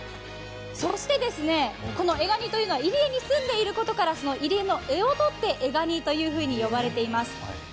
そして、このエガニというのは入江に住んでいることから入江の「江」をとってエガニと呼ばれています。